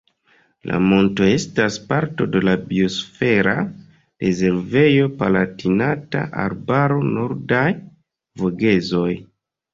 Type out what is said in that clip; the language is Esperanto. La monto estas parto de la biosfera rezervejo Palatinata Arbaro-Nordaj Vogezoj.